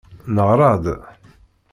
Neɣra-d.